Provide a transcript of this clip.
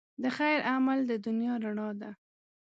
د خیر عمل د دنیا رڼا ده.